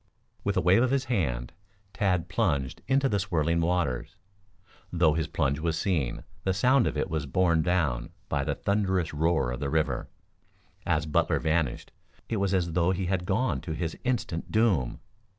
With a wave of his hand, Tad plunged into the swirling waters. Though his plunge was seen, the sound of it was borne down by the thunderous roar of the river. As Butler vanished it was as though he had gone to his instant doom.